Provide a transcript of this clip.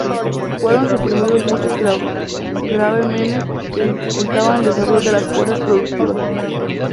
Fueron suprimidos muchos gravámenes que dificultaban el desarrollo de las fuerzas productivas.